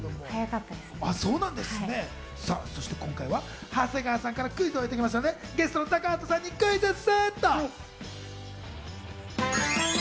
そして今回は長谷川さんからクイズをいただきましたので、ゲストの高畑さんにクイズッス！